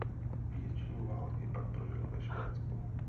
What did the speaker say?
Většinu války pak prožil ve Švédsku.